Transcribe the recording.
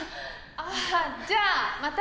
ああじゃあまた。